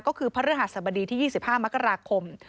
ก็คือพระเรื่องอาสบดีที่๒๕มกราคม